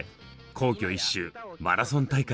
皇居一周マラソン大会。